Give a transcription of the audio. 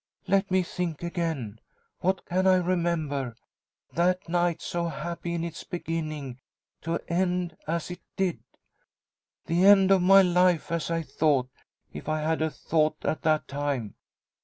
"Let me think again! What can I remember? That night, so happy in its beginning, to end as it did! The end of my life, as I thought, if I had a thought at that time.